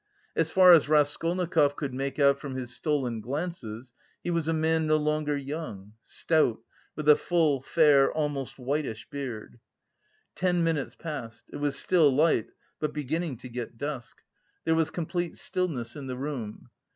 As far as Raskolnikov could make out from his stolen glances, he was a man no longer young, stout, with a full, fair, almost whitish beard. Ten minutes passed. It was still light, but beginning to get dusk. There was complete stillness in the room.